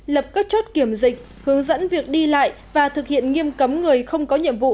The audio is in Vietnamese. lập các chốt kiểm dịch hướng dẫn việc đi lại và thực hiện nghiêm cấm người không có nhiệm vụ